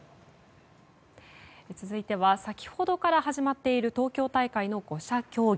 続いては先ほどから始まっている東京大会の５者協議。